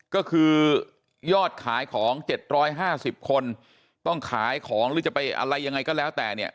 ก็คือยอดขายของ๗๕๐คนต้องขายของหรือจะไปอะไรยังไงก็แล้วแต่เนี่ย